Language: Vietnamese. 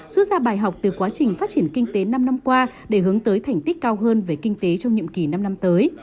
xuất ra bài học từ quá trình phát triển kinh tế năm năm qua để hướng tới thành tích cao hơn về kinh tế trong nhiệm kỳ năm năm tới